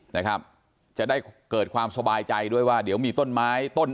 นะครับจะได้เกิดความสบายใจด้วยว่าเดี๋ยวมีต้นไม้ต้น